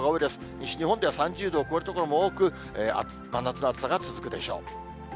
西日本では３０度を超える所も多く、真夏の暑さが続くでしょう。